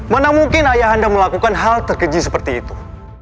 mana mungkin ayahanda melakukan hal terkeji seperti itu